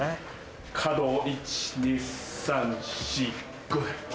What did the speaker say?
角を１・２・３・４・５で。